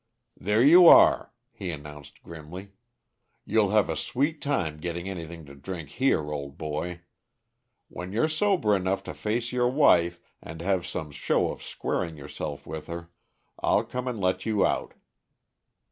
"There you are," he announced grimly. "You'll have a sweet time getting anything to drink here, old boy. When you're sober enough to face your wife and have some show of squaring yourself with her, I'll come and let you out."